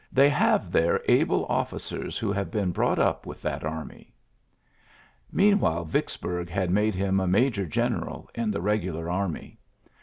Th^ have there able oflicers who have been brought up with that army.'^ Meanwhile Yicksburg had made him a major general in the regular army.